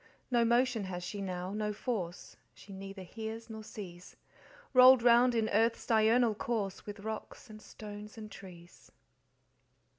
"No motion has she now no force; She neither hears nor sees; Rolled round in earth's diurnal course, With rocks and stones and trees."